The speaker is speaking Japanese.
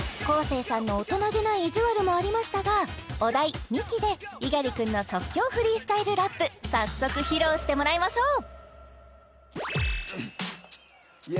生さんの大人気ない意地悪もありましたがお題「ミキ」で猪狩くんの即興フリースタイルラップ早速披露してもらいましょうＹｅａｈＹｏ！